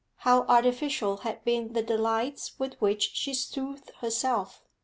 How artificial had been the delights with which she soothed herself!